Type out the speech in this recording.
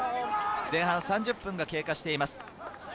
前半３０分が経過しています。